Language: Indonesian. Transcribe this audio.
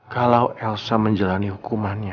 kalau elsa menjalani hukumannya